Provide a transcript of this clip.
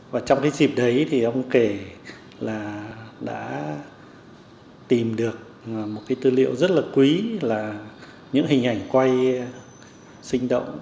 và trong cái dịp đấy thì ông kể là đã tìm được một cái tư liệu rất là quý là những hình ảnh quay sinh động